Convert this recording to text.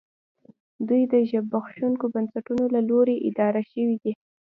دوی د زبېښونکو بنسټونو له لوري اداره شوې دي